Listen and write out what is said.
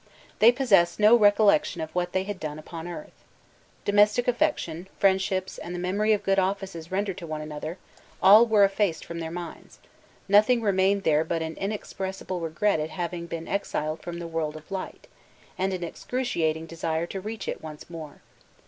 They possessed no recollection of what they had done upon earth. Domestic affection, friendships, and the memory of good offices rendered to one another, all were effaced from their minds: nothing remained there but an inexpressible regret at having been exiled from the world of light, and an excruciating desire to reach it once more.